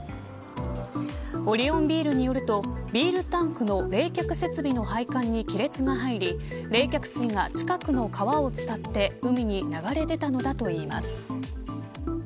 オリオンビールによるとビールタンクの冷却設備の配管に亀裂が入り冷却水が近くの川を伝って海に流れ出たのだといいます。